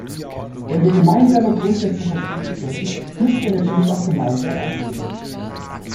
Wenn wir gemeinsame Grundsätze vertreten können, müssen wir natürlich auch gemeinsam agieren.